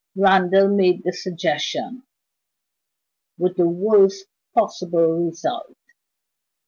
Randal made the suggestion with the worst possible result.